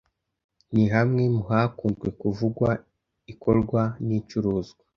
ni hamwe mu hakunzwe kuvugwa ikorwa n’icuruzwa